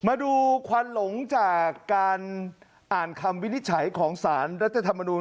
มาดูควันหลงจากการอ่านคำวินิจฉัยของสารรัฐธรรมนูล